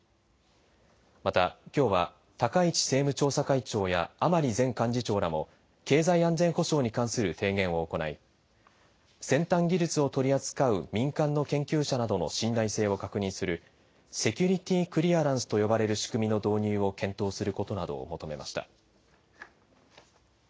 また、きょうは高市政務調査会長や甘利前幹事長らも経済安全保障に関する提言を行い先端技術を取り扱う民間の研究者などの信頼性を確認するセキュリティークリアランスと呼ばれる仕組みの導入を検討することなどを求めました。